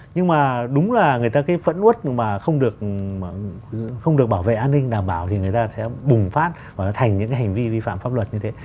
nhưng mà đúng là người ta cứ phẫn út mà không được bảo vệ an ninh đảm bảo thì người ta sẽ bùng phát và nó thành những cái hành vi vi phạm pháp luật như thế